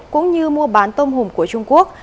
cũng như mua bán tôm hồng của trung quốc